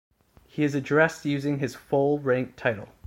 He is addressed using his full rank title.